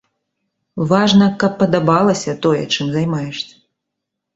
Важна, каб падабалася тое, чым займаешся.